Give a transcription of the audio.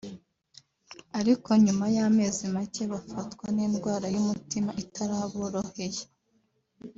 ariko nyuma y’amezi make bafatwa n’indwara y’umutima itaraboroheye